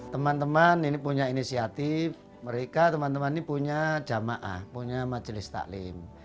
teman teman ini punya inisiatif mereka teman teman ini punya jamaah punya majelis taklim